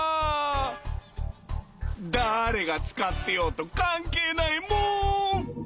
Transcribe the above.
だれがつかってようとかんけいないモン！